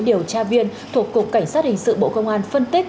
điều tra viên thuộc cục cảnh sát hình sự bộ công an phân tích